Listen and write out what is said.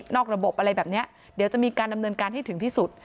ระบบอะไรแบบนี้เดี๋ยวจะมีการดำเนินการให้ถึงที่สุด